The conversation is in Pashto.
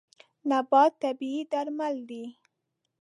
نبات طبیعي درمل دی.